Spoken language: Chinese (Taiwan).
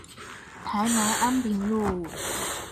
台南安平路